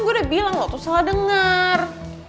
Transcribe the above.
gue udah bilang lo tuh salah denger